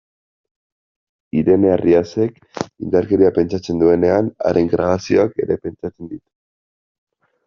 Irene Arriasek, indarkeria pentsatzen duenean, haren grabazioak ere pentsatzen ditu.